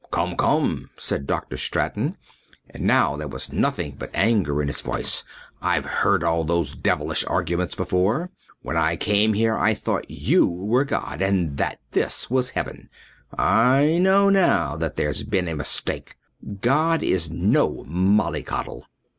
"Come, come," said Dr. Straton, and now there was nothing but anger in his voice, "I've heard all those devilish arguments before. When I came here I thought you were God and that this was Heaven. I know now that there's been a mistake. God is no mollycoddle."